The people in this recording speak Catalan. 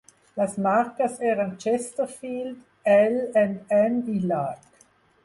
Les marques eren Chesterfield, L and M i Lark.